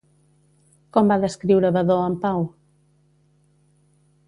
Com va descriure Vadó en Pau?